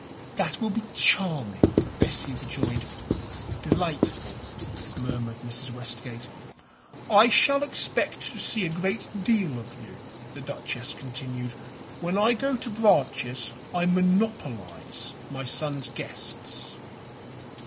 "That will be charming!" Bessie rejoined. "Delightful!" murmured Mrs. Westgate. "I shall expect to see a great deal of you," the duchess continued. "When I go to Branches I monopolize my son's guests."